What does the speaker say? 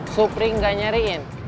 supri gak nyariin